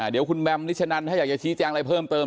เดี๋ยวคุณแมมนิชนันถ้าอยากจะชี้แจงอะไรเพิ่มเติม